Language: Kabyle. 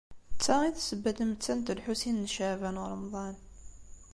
D ta i d ssebba n tmettant n Lḥusin n Caɛban u Ṛemḍan.